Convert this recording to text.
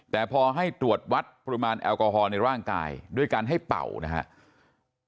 แต่พอให้ตรวจวัดปริมาณแอลกอฮอลในร่างกายด้วยการให้เป่านะครับ